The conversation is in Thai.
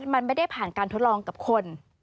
มันไม่ได้ผ่านการทดลองกับคน